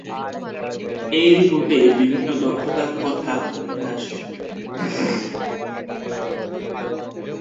এই রিপোর্টে বিভিন্ন দক্ষতার কথা উঠে আসে।